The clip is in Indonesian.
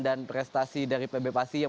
dan prestasi dari pb pasi yang